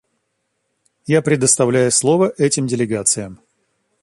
Я предоставляю слово этим делегациям.